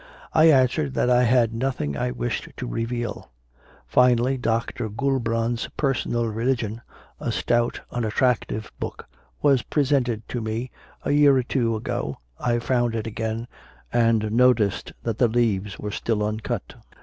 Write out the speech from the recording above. I answered that I had nothing I wished to reveal. Finally, Dr. Goulburn s "Personal Religion," a stout, unattrac tive book, was presented to me. A year or two ago I found it again, and noticed that the leaves were still uncut.